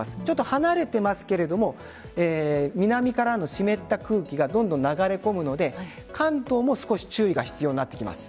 離れていますけれども南からの湿った空気がどんどん流れ込むので関東も少し注意が必要になってきます。